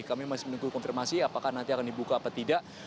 kami masih menunggu konfirmasi apakah nanti akan dibuka atau tidak